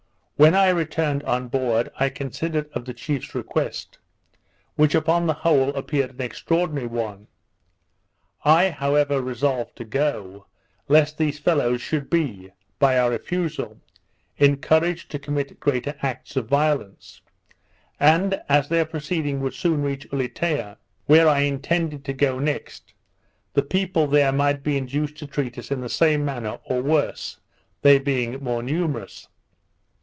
When I returned on board, I considered of the chiefs request, which upon the whole appeared an extraordinary one. I however resolved to go, lest these fellows should be (by our refusal) encouraged to commit greater acts of violence; and, as their proceeding would soon reach Ulietea, where I intended to go next, the people there might be induced to treat us in the same manner, or worse, they being more numerous.